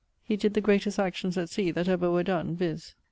He did the greatest actions at sea that ever were done, viz.